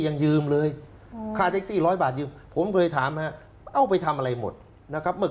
ยังยืมเลยค่าเท็กซี่ร้อยบาทยืมผมเคยถามฮะเอาไปทำอะไรหมดนะครับเมื่อ